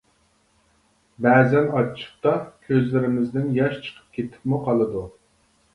بەزەن ئاچچىقتا كۆزلىرىمىزدىن ياش چىقىپ كېتىپمۇ قالىدۇ.